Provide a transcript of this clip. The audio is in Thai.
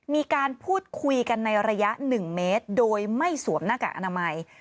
มีการพูดคุยกันในระยะ๑เมตรโดยไม่สวมหน้ากากอนามัย